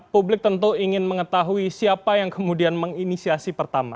publik tentu ingin mengetahui siapa yang kemudian menginisiasi pertama